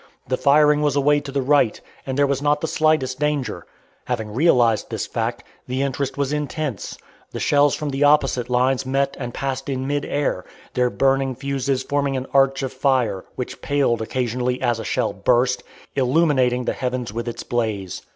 The firing was away to the right, and there was not the slightest danger. Having realized this fact, the interest was intense. The shells from the opposite lines met and passed in mid air their burning fuses forming an arch of fire, which paled occasionally as a shell burst, illuminating the heavens with its blaze.